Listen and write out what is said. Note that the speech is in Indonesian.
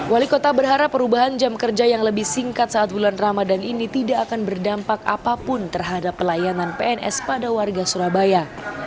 wali kota berharap perubahan jam kerja yang lebih singkat saat bulan ramadan ini tidak akan berdampak apapun terhadap pelayanan pns pada warga surabaya